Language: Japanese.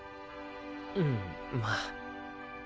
うんまぁ。